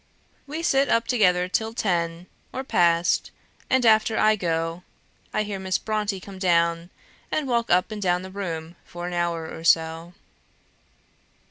We sit up together till ten, or past; and after I go, I hear Miss Brontë comedown and walk up and down the room for an hour or so."